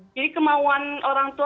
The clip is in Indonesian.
jadi kemauan orang